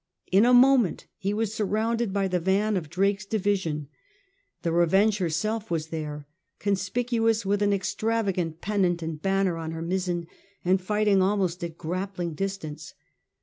In a moment he was surrounded by the van of Drake's division. The Revenge herself was there, conspicuous with an extravagant pennant and a banner on her mizzen, and fighting almost at grappling distance.